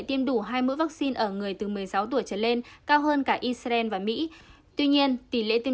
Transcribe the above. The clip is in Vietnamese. tiêm đủ hai mũi vaccine ở người từ một mươi sáu tuổi trở lên cao hơn cả israel và mỹ tuy nhiên tỷ lệ tiêm